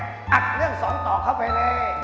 อัดเรื่องสองต่อเข้าไปเลย